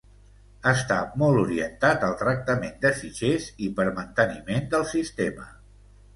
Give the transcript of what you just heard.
Està molt orientat al tractament de fitxers i per manteniment del sistema.